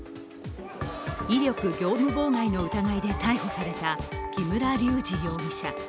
威力業務妨害の疑いで逮捕された木村隆二容疑者。